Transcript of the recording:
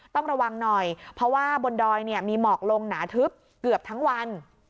ต้องระวังหน่อยเพราะว่าบนดอยเนี่ยมีหมอกลงหนาทึบเกือบทั้งวัน